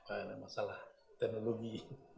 bukan ada masalah teknologi